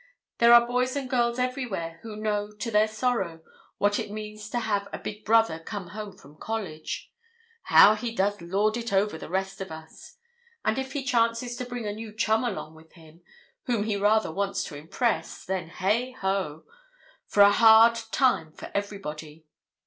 There are boys and girls everywhere who know, to their sorrow, what it means to have the big brother come home from college. How he does lord it over the rest of us! And if he chances to bring a new chum along with him, whom he rather wants to impress, then heigh ho! for a hard time for everybody.